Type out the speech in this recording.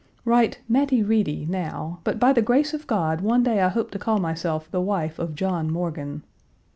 "Write 'Mattie Reedy' now, but by the grace of God one day I hope to call myself the wife of John Morgan."